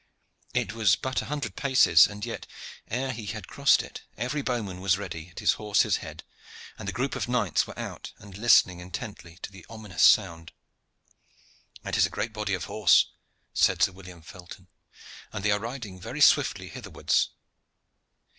It was but a hundred paces, and yet ere he had crossed it every bowman was ready at his horse's head, and the group of knights were out and listening intently to the ominous sound. "It is a great body of horse," said Sir William Felton, "and they are riding very swiftly hitherwards."